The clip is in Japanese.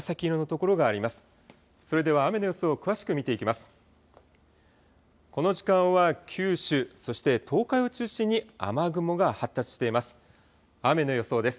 この時間は九州、そして東海を中心に雨雲が発達しています。